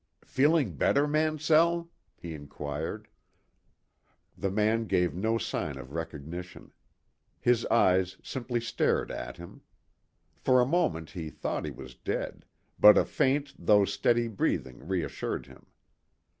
"Feeling better, Mansell?" he inquired. The man gave no sign of recognition. His eyes simply stared at him. For a moment he thought he was dead, but a faint though steady breathing reassured him.